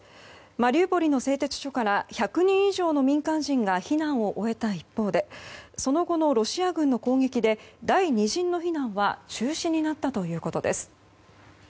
マリウポリの製鉄所から１００人以上の民間人が避難を終えた一方でその後のロシア軍の攻撃で第２陣の避難は中止になったということです。